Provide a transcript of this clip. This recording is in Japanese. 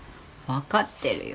分かってるよ